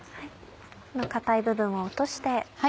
硬い部分を落として。